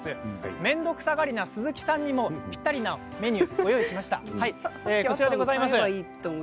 面倒くさがりな鈴木さんにもぴったりなメニューご用意しました。